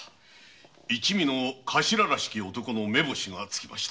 一味の頭らしき男の目星がつきました。